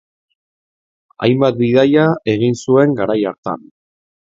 Hainbat bidaia egin zuen garai hartan.